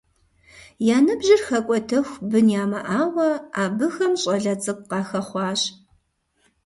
Я ныбжьыр хэкӏуэтэху бын ямыӏауэ, абыхэм щӏалэ цӏыкӏу къахэхъуащ.